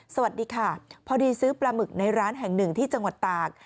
สวัสดีค่ะพอดีซื้อปลาหมึกในร้านแห่งหนึ่งที่จังหวัดตาก